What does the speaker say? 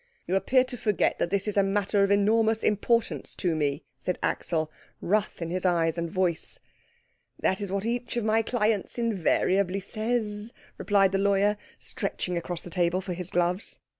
"You appear to forget that this is a matter of enormous importance to me," said Axel, wrath in his eyes and voice. "That is what each of my clients invariably says," replied the lawyer, stretching across the table for his gloves.